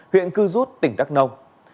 huyện cư rút tỉnh đắk nông